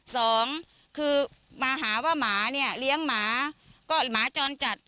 สองคือมาหาว่าหมาเนี่ยเลี้ยงหมาก็หมาจรจัด